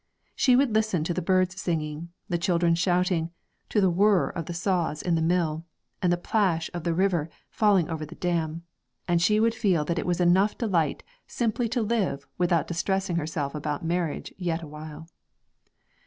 She would listen to the birds singing, the children shouting, to the whir of the saws in the mill, and the plash of the river falling over the dam; and she would feel that it was enough delight simply to live without distressing herself about marriage yet awhile.